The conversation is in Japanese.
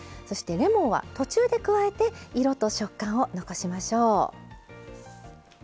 そしてレモンは途中で加えて色と食感を残しましょう。